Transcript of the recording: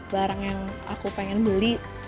barang yang aku pengen beli